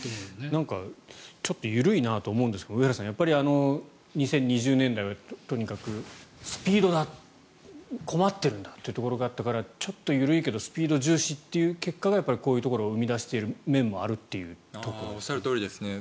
なんか、ちょっと緩いなと思いますが上原さん、やっぱり２０２０年はとにかくスピードだ困っているんだというところがあったからちょっと緩いけどスピード重視という結果がこういうところを生み出している面もあるということですかね。